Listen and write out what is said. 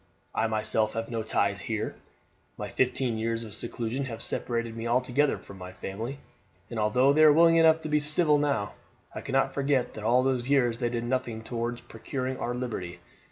I myself have no ties here. My fifteen years of seclusion have separated me altogether from my family, and although they are willing enough to be civil now, I cannot forget that all those years they did nothing towards procuring our liberty.